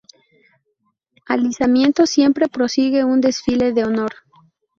Al izamiento, siempre prosigue un desfile de honor.